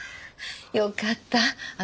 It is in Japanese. よかった。